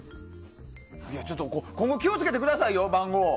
今後気を付けてくださいよ、番号。